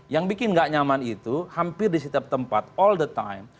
yang bikin gak nyaman itu hampir di setiap tempat all the time